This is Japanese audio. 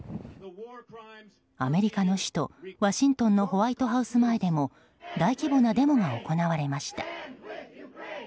アメリカの首都ワシントンのホワイトハウス前でも大規模なデモが行われました。